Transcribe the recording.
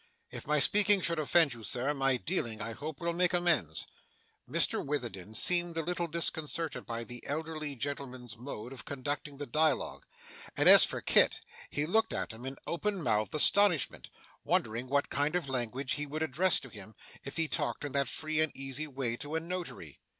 If my speaking should offend you, sir, my dealing, I hope, will make amends.' Mr Witherden seemed a little disconcerted by the elderly gentleman's mode of conducting the dialogue; and as for Kit, he looked at him in open mouthed astonishment: wondering what kind of language he would address to him, if he talked in that free and easy way to a Notary.